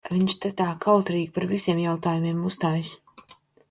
Viņš te tā kautrīgi par visiem jautājumiem uzstājas.